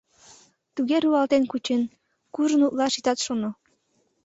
Туге руалтен кучен — куржын утлаш итат шоно...